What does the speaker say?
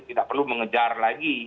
tidak perlu mengejar lagi